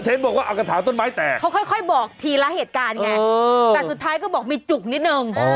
บอกว่าเอากระถางต้นไม้แตกเขาค่อยบอกทีละเหตุการณ์ไงแต่สุดท้ายก็บอกมีจุกนิดนึง